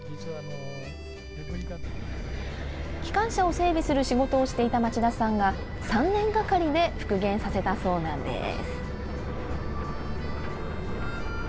機関車を整備する仕事をしていた町田さんが３年がかりで復元させたそうなんです。